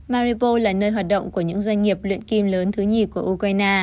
maripos là nơi hoạt động của những doanh nghiệp luyện tập